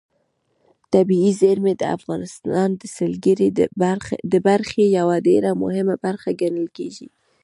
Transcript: طبیعي زیرمې د افغانستان د سیلګرۍ د برخې یوه ډېره مهمه برخه ګڼل کېږي.